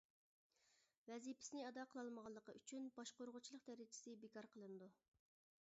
ۋەزىپىسىنى ئادا قىلالمىغانلىقى ئۈچۈن باشقۇرغۇچىلىق دەرىجىسى بىكار قىلىنىدۇ.